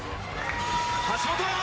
橋本！